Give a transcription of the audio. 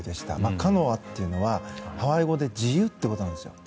カノアっていうのはハワイ語で自由っていうことなんですよ。